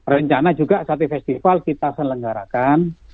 rencana juga satu festival kita selenggarakan